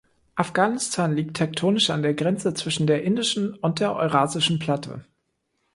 Afghanistan liegt tektonisch an der Grenze zwischen der Indischen und der Eurasischen Platte.